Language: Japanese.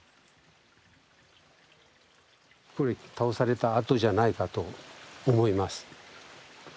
これ倒されたあとじゃないかと思います。